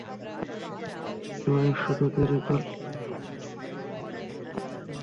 Midwife শুধু তৈরি করলে হবে না, তাঁদের মানসম্মত শিক্ষা দিতে হবে।